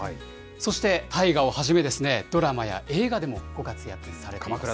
そして大河をはじめですね、ドラマや映画でもご活躍されています。